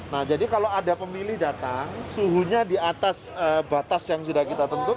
nah jadi kalau ada pemilih datang suhunya di atas batas yang sudah kita tentukan